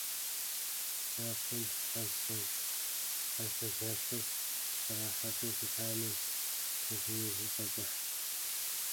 Япэм Хьэнцэгуащэр кърахьэкӏыу щытамэ, иджы езым къекӏухь.